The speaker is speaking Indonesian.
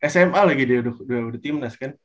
sma lagi udah timnas kan